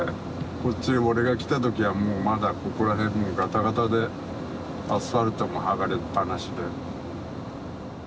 こっち俺が来た時はもうまだここら辺もうガタガタでアスファルトも剥がれっぱなしで。